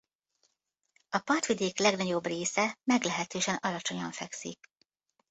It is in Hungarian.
A partvidék legnagyobb része meglehetősen alacsonyan fekszik.